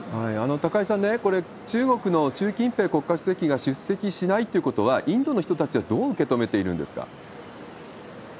高井さんね、これ、中国の習近平国家主席が出席しないっていうことは、インドの人たちはどう受け止めているんですか？